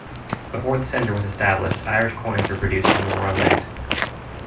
Before the centre was established, Irish coins were produced in the Royal Mint.